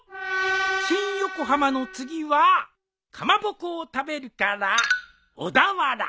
新横浜の次はかまぼこを食べるから小田原！